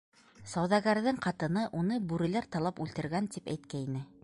Сауҙагәрҙең ҡатыны, уны бүреләр талап үлтергән, тип әйткәйне.